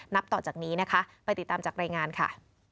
ต่อจากนี้นะคะไปติดตามจากรายงานค่ะ